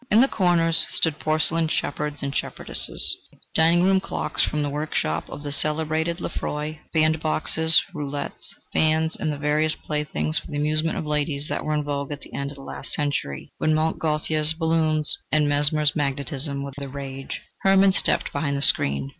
In the corners stood porcelain shepherds and shepherdesses, dining room clocks from the workshop of the celebrated Lefroy, bandboxes, roulettes, fans and the various playthings for the amusement of ladies that were in vogue at the end of the last century, when Montgolfier's balloons and Mesmer's magnetism were the rage. Hermann stepped behind the screen.